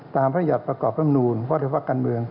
ตามพระยาทธิ์ประกอบพรรณูลพภกรรมเมือง